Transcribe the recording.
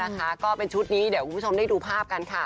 ก็เป็นชุดนี้เดี๋ยวคุณผู้ชมได้ดูภาพกันค่ะ